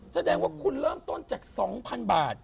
แสดงว่าคุณเริ่มต้นจาก๒๐๐๐บาท